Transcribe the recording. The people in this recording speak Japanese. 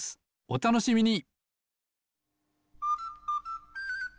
おたのしみに！